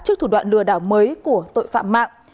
trước thủ đoạn lừa đảo mới của tội phạm mạng